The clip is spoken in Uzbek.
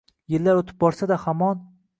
Yillar oʻtib borsa-da, hamon